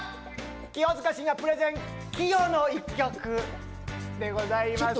清塚信也プレゼン「キヨの一曲」でございます。